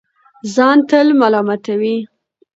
ځان تل ملامتوي